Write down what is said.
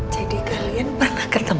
jadi kalian pernah ketemu